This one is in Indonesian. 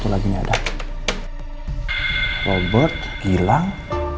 ya ini boleh